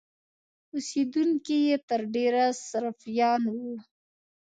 اوسېدونکي یې تر ډېره سرفیان وو.